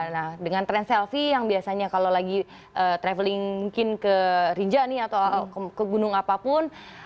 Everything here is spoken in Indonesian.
nah dengan tren selfie yang biasanya kalau lagi traveling mungkin ke rinjani atau ke gunung apapun